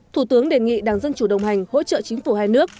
thủ tướng đề nghị đảng dân chủ đồng hành hỗ trợ chính phủ hai nước